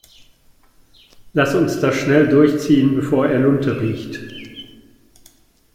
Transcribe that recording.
Lass uns das schnell durchziehen, bevor er Lunte riecht.